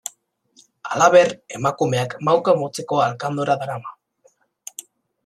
Halaber, emakumeak mauka motzeko alkandora darama.